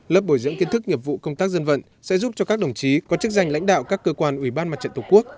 lớp bồi dưỡng kiến thức nghiệp vụ công tác dân vận sẽ giúp cho các đồng chí có chức danh lãnh đạo các cơ quan ủy ban mặt trận tổ quốc